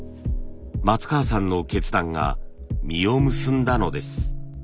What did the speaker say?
松川さんの決断が実を結んだのです。